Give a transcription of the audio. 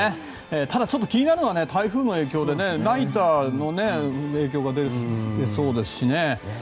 ただ、気になるのは台風の影響でナイターに影響が出そうですしね。